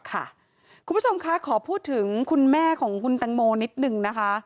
คุณผู้ชมคะขอพูดถึงคุณแม่ของคุณแตงโมนิดนึงนะคะ